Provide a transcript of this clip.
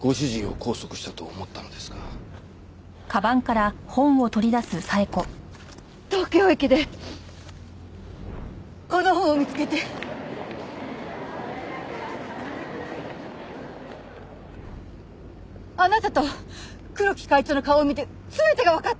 あなたと黒木会長の顔を見て全てがわかったんです。